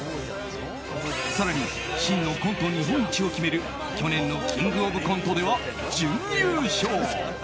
更に、真のコント日本一を決める去年の「キングオブコント」では準優勝。